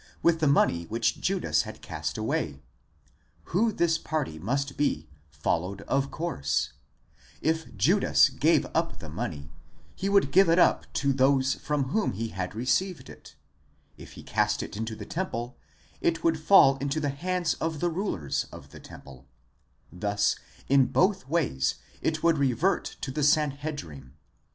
with the money which Judas had cast away. Who this party must be followed of course: if Judas gave up the money, he would give it up to those from whom he had received it ; if he cast it into the temple, it would fall into the hands of the rulers of the temple: thus in both ways it would revert to the Sanhedrim.